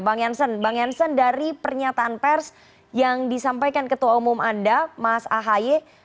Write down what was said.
bang janssen bang janssen dari pernyataan pers yang disampaikan ketua umum anda mas ahi